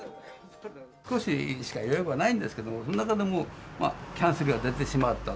少ししか予約はないんですけど、その中でもキャンセルは出てしまった。